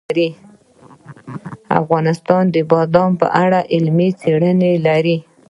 افغانستان د بادام په اړه علمي څېړنې لري.